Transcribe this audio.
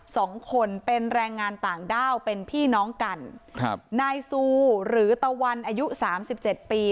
สองคนเป็นแรงงานต่างด้าวเป็นพี่น้องกันครับนายซูหรือตะวันอายุสามสิบเจ็ดปี